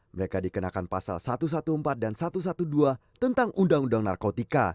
mereka dikenakan pasal satu ratus empat belas dan satu ratus dua belas tentang undang undang narkotika